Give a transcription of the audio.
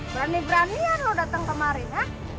berani beranian lo dateng kemarin